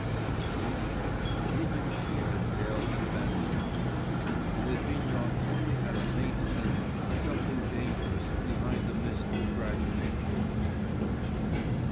And Irina? even she had paled and vanished too, and Litvinov only had a faint sense of something dangerous behind the mist that gradually enfolded her image.